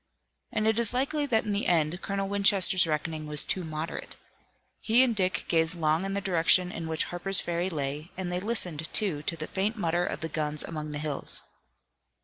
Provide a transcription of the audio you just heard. And it is likely that in the end Colonel Winchester's reckoning was too moderate. He and Dick gazed long in the direction in which Harper's Ferry lay, and they listened, too, to the faint mutter of the guns among the hills.